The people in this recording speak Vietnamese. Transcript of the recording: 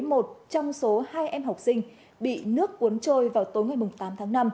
một trong số hai em học sinh bị nước cuốn trôi vào tối ngày tám tháng năm